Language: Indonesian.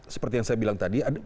seperti yang saya bilang tadi